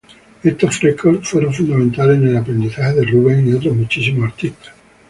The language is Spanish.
Estos frescos fueron fundamentales en el aprendizaje de Rubens y otros muchísimos artistas.